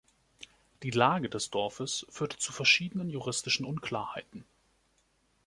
Die Lage des Dorfes führte zu verschiedenen juristischen Unklarheiten.